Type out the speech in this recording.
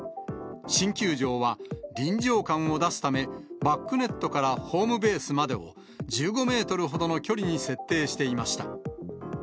新球場は臨場感を出すため、バックネットからホームベースまでを１５メートルほどの距離に設定していました。